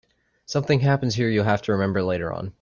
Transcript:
Something happens here you'll have to remember later on.